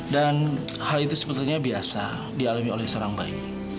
dan hal itu sebenarnya biasa dialami oleh seorang bayi